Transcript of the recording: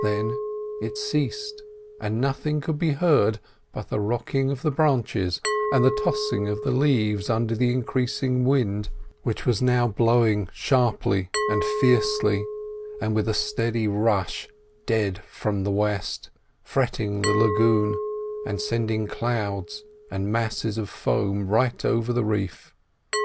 Then it ceased, and nothing could be heard but the rocking of the branches and the tossing of the leaves under the increasing wind, which was now blowing sharply and fiercely and with a steady rush dead from the west, fretting the lagoon, and sending clouds and masses of foam right over the reef.